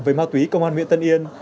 với ma tuế công an nguyễn tân yên